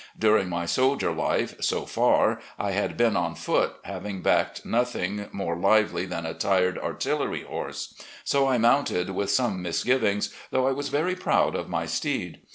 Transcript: During my soldier life, so far, I had been on foot, having backed nothing more lively than a tired artillery horse; so I mounted with some misgivings, though I was very proud of my steed.